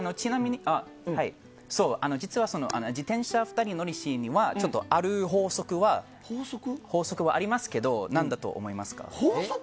実は自転車２人乗りシーンにはある法則がありますけどなんだと思いますか？